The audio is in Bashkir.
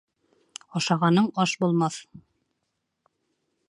Ашағаның аш булмаҫ.